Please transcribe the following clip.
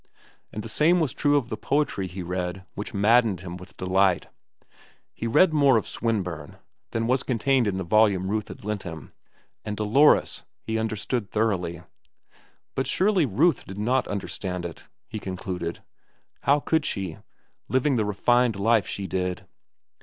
And the same was true of the poetry he read which maddened him with delight. He read more of Swinburne than was contained in the volume Ruth had lent him; and "Dolores" he understood thoroughly. But surely Ruth did not understand it, he concluded. How could she, living the refined life she did?